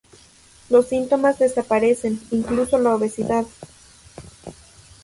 Los síntomas desaparecen, incluso la obesidad.